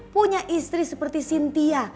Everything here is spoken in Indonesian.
punya istri seperti sintia